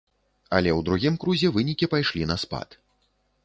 Але ў другім крузе вынікі пайшлі на спад.